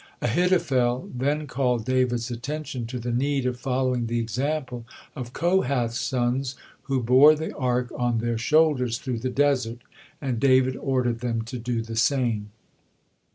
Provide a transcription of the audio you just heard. Ahithophel then called David's attention to the need of following the example of Kohath's sons, who bore the Ark on their shoulders through the desert, and David ordered them to do the same.